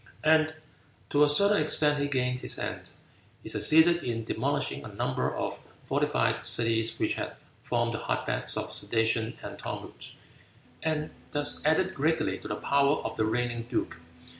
And to a certain extent he gained his end. He succeeded in demolishing a number of fortified cities which had formed the hotbeds of sedition and tumult; and thus added greatly to the power of the reigning duke.